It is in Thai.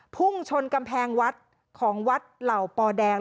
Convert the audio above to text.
พุ่งชนกำแพงวัดของวัดเหล่าปอแดง